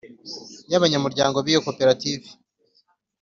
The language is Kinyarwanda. y abanyamuryango b iyo Koperative